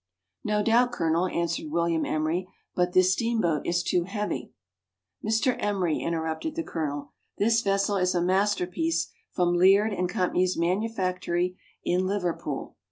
"No doubt, Colonel," answered William Emery, "but this steamboat is too heavy ..,"" Mr. Emery," interrupted the Colonel, " this vessel is a masterpiece from Leard and Co's manufactory in Liverpool.